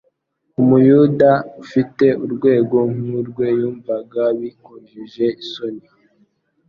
Umuyuda ufite urwego nk'urwe yumvaga bikojeje isoni